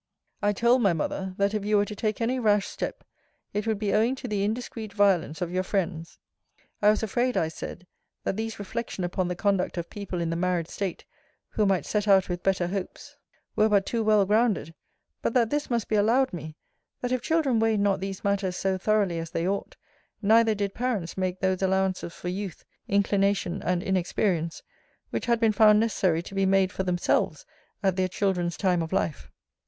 I told my mother, that if you were to take any rash step, it would be owing to the indiscreet violence of your friends. I was afraid, I said, that these reflection upon the conduct of people in the married state, who might set out with better hopes, were but too well grounded: but that this must be allowed me, that if children weighed not these matters so thoroughly as they ought, neither did parents make those allowances for youth, inclination, and inexperience, which had been found necessary to be made for themselves at their children's time of life.